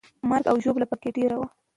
مرګ او ژوبله به پکې ډېره وي.